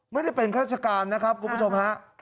ไม่ได้เป็นข้าราชการนะครับคุณผู้ชมฮะ